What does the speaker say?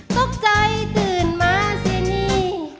ตกใจตื่นมาสินี่